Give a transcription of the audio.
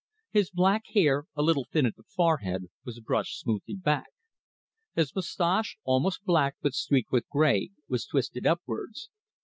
His black hair, a little thin at the forehead, was brushed smoothly back. His moustache, also black but streaked with grey, was twisted upwards.